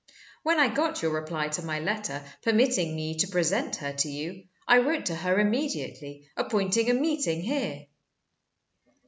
When I got your reply to my letter, permitting me to present her to you, I wrote to her immediately, appointing a meeting here."